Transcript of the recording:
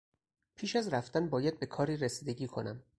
پیش از رفتن باید به کاری رسیدگی کنم.